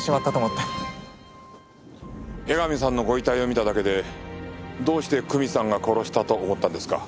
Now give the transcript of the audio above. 江上さんのご遺体を見ただけでどうして久美さんが殺したと思ったんですか？